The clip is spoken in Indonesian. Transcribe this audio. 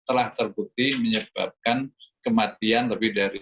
itu telah terbukti menyebabkan kematian lebat dan kematian